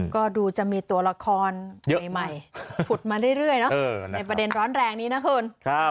ก็ดูจะมีตัวละครใหม่ผุดมาเรื่อยเนอะในประเด็นร้อนแรงนี้นะคุณ